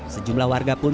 sejumlah warga pun membangun